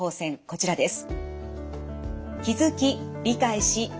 こちらです。